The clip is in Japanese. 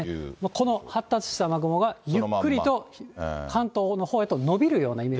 この発達した雨雲がゆっくりと関東のほうへと延びるようなイメー